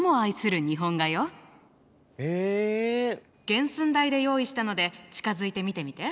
原寸大で用意したので近づいて見てみて。